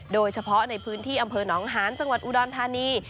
โดยเฉพาะในพื้นที่อำเภอหนองหานจังหวัดอุดรธานี